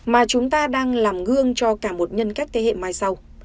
mà chúng ta đang làm gương cho cả một nhân cách thế hệ mai sau